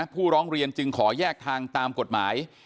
ผู้ร้องเรียนจึงขอแยกทางตามกฎหมาย